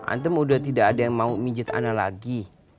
antum udah tidak ada yang mau mijit ana lagi